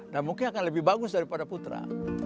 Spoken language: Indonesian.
dan mungkin akan lebih bagus daripada putra